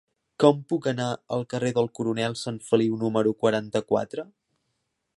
Com puc anar al carrer del Coronel Sanfeliu número quaranta-quatre?